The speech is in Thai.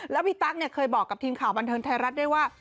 แล้วพี่ตั๊กเคยบอกกับทีมข่าวบันเทิงไทยรัฐด้วยว่า